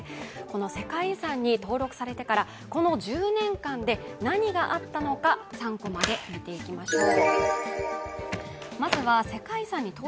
世界遺産に登録されてからこの１０年間で何があったのか３コマで見ていきましょう。